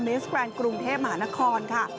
สแกรนด์กรุงเทพมหานครค่ะ